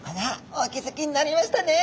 お気づきになりましたね！